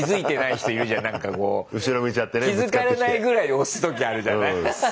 気付かれないぐらいに押す時あるじゃない。